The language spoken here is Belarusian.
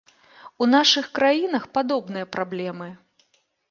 У нашых краінах падобныя праблемы.